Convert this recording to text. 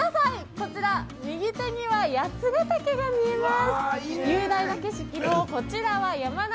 こちら右手には八ヶ岳が見えます。